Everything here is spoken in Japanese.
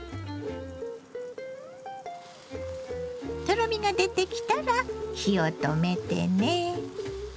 とろみが出てきたら火を止めてね。